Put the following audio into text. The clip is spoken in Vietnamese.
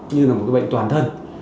như là một cái bệnh toàn thân